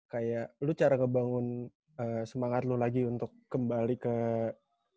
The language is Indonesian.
kayak lu cara ngebangun semangat lu lagi untuk kembali ke kompetisi basket